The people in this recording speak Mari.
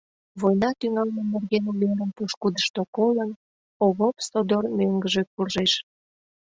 Война тӱҥалме нерген уверым пошкудышто колын, Овоп содор мӧҥгыжӧ куржеш.